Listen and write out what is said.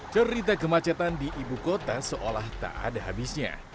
cerita kemacetan di ibu kota seolah tak ada habisnya